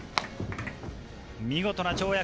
見事な跳躍。